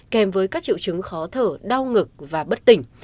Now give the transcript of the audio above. kèm với các triệu chứng khó thở đau ngực và bất tỉnh